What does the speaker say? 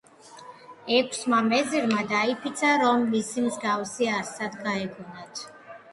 ექვსმა ვეზირმა დაიფიცა, რომ მისი მსგავსი არსად გაეგონათ